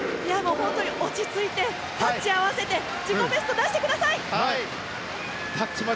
本当に落ち着いてタッチ合わせて自己ベスト、出してください